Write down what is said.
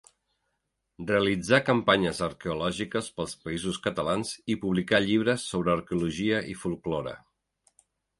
Realitzà campanyes arqueològiques pels Països Catalans i publicà llibres sobre arqueologia i folklore.